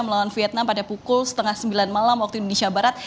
melawan vietnam pada pukul setengah sembilan malam waktu indonesia barat